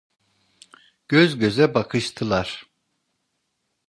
Göz göze bakıştılar.